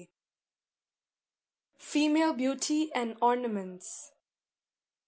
] FEMALE BEAUTY AND ORNAMENTS.